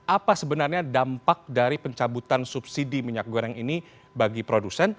apa sebenarnya dampak dari pencabutan subsidi minyak goreng ini bagi produsen